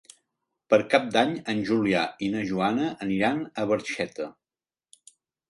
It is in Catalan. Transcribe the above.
Per Cap d'Any en Julià i na Joana aniran a Barxeta.